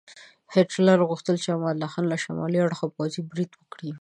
هیټلر غوښتل چې امان الله خان له شمالي اړخه پوځي برید وکړي.